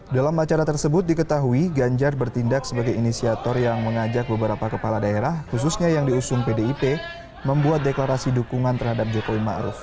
dalam acara tersebut diketahui ganjar bertindak sebagai inisiator yang mengajak beberapa kepala daerah khususnya yang diusung pdip membuat deklarasi dukungan terhadap jokowi ⁇ maruf ⁇